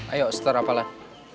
ayo seterah falan